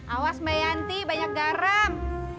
awas mbak yanti banyak garam